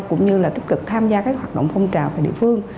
cũng như là tích cực tham gia các hoạt động phong trào tại địa phương